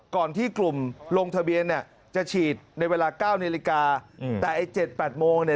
ก่อนที่กลุ่มลงทะเบียนจะฉีดในเวลา๙นิริกาแต่ไอ้๗๘โมงเนี่ย